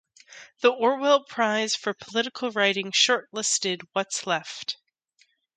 The Orwell Prize for political writing shortlisted What's Left?